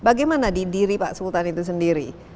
bagaimana di diri pak sultan itu sendiri